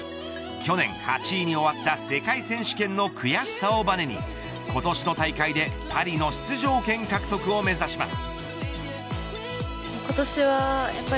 去年、８位に終わった世界選手権の悔しさをばねに今年の大会でパリの出場権獲得を目指します。